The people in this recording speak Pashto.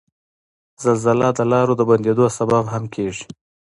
زلزله د لارو د بندیدو سبب هم کیږي.